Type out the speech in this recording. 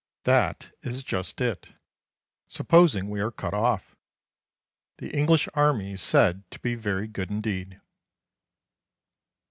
That is just it. Supposing we are cut off? The English army is said to be very good indeed.